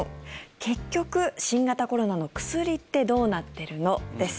結局、新型コロナの薬ってどうなってるの？です。